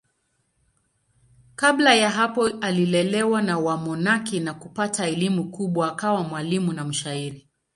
Kabla ya hapo alilelewa na wamonaki na kupata elimu kubwa akawa mwalimu na mshairi.